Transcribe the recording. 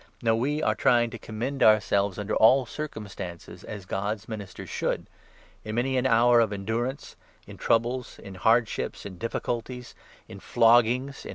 No, we are 4 trying to commend ourselves under all circumstances, as God's ministers should — in many an hour of endurance, in troubles, in hardships, in difficulties, in floggings, in